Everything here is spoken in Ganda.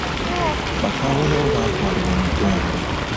Bakaawonawo baatwalibwa mu ddwaliro.